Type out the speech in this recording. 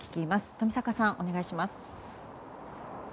冨坂さん、お願いします。